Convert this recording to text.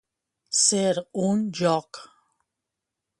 Ser un joc.